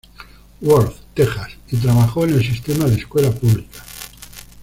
Worth, Texas, y trabajó en el sistema de escuela pública.